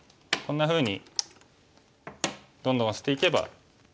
こんなふうにどんどんオシていけば。